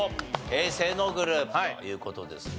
平成のグループという事ですね。